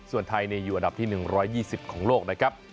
ส่วนไทยอยู่อันดับที่๑๒๐ของโลกนะครับ